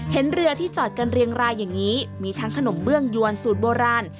เรือที่จอดกันเรียงรายอย่างนี้มีทั้งขนมเบื้องยวนสูตรโบราณ